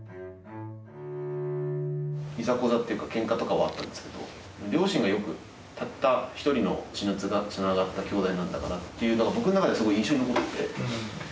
いざこざっていうかケンカとかはあったんですけど両親がよくたった一人の血のつながった兄弟なんだからっていうのが僕の中ですごい印象に残ってて。